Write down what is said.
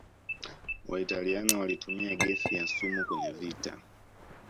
waitaliano walitumia gesi ya sumu kwenye vita